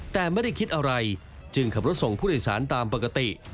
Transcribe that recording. แต่ไม่ได้คิดอะไรจึงขับรถส่งผู้โดยสารตามปกติ